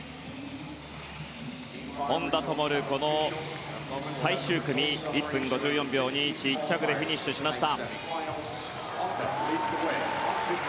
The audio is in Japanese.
本多灯、最終組１分５４秒２１で１着でフィニッシュしました。